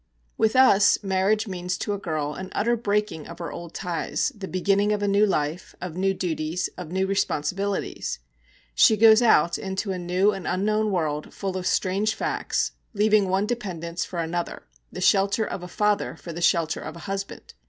With us marriage means to a girl an utter breaking of her old ties, the beginning of a new life, of new duties, of new responsibilities. She goes out into a new and unknown world, full of strange facts, leaving one dependence for another, the shelter of a father for the shelter of a husband.